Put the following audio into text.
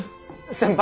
先輩！